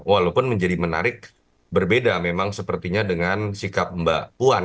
walaupun menjadi menarik berbeda memang sepertinya dengan sikap mbak puan